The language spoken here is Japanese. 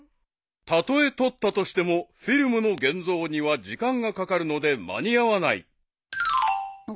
［たとえ撮ったとしてもフィルムの現像には時間がかかるので間に合わない］